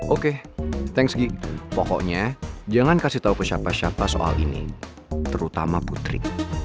oke thanksgy pokoknya jangan kasih tahu ke siapa siapa soal ini terutama putri